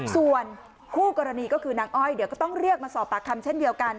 ส่วนคู่กรณีก็คือนางอ้อยเดี๋ยวก็ต้องเรียกมาสอบปากคำเช่นเดียวกัน